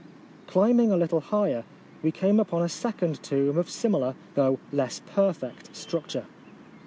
Climbing a little higher we came upon a second tomb of similar though less perfect structure.